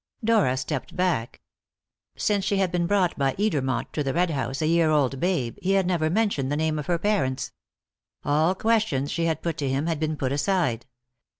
Dora stepped back. Since she had been brought by Edermont to the Red House, a year old babe, he had never mentioned the name of her parents. All questions she had put to him had been put aside.